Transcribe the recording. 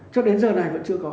cho đến giờ này vẫn chưa có